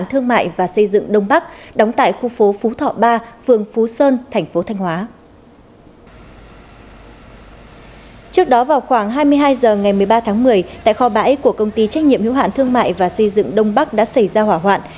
trước đó vào khoảng hai mươi hai h ngày một mươi ba tháng một mươi tại kho bãi của công ty trách nhiệm hiếu hạn thương mại và xây dựng đông bắc đã xảy ra hỏa hoạn